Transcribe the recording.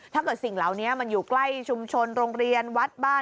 สิ่งเหล่านี้มันอยู่ใกล้ชุมชนโรงเรียนวัดบ้าน